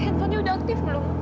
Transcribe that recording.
handphonenya sudah aktif belum